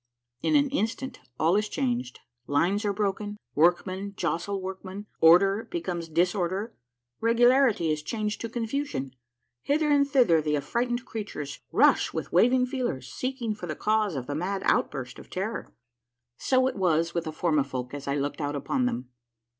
In an instant all is changed: lines are broken, workmen jostle workmen, order becomes disorder, regularity is changed to confusion. Hither and thither the affrighted creatures rush with waving feelers, seeking for the cause of the mad outburst of terror. So it was with the Formifolk as I looked out upon them.